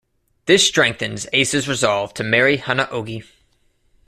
This strengthens Ace's resolve to marry Hana-ogi.